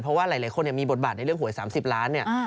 เพราะว่าหลายคนมีบทบาทในเรื่องหวย๓๐ล้านเนี่ย